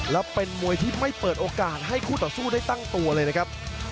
และเป็นมวยที่ไม่เปิดโอกาสให้คู่ต่อสู้ได้ตั้งตัวเลยนะครับ